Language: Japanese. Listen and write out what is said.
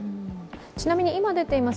ちなみに今出ています